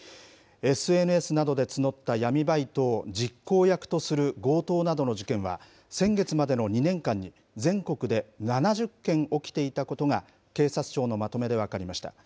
ＳＮＳなどで募った闇バイトを実行役とする強盗などの事件は、先月までの２年間に全国で７０件起きていたことが、警察庁のまとめで分かりました。